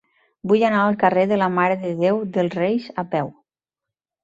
Vull anar al carrer de la Mare de Déu dels Reis a peu.